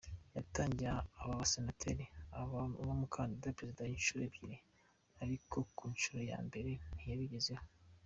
Yatangiye aba senateri, aba umukandida-perezida inshuro ebyiri, ariko ku nshuro ya mbere ntiyabigezeho.